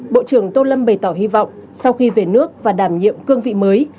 bộ trưởng tô lâm bày tỏ hy vọng sau khi về nước và đảm nhiệm cương vị mới